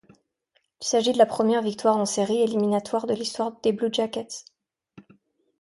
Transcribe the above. Il s'agit de la première victoire en séries éliminatoires de l'histoire des Blue Jackets.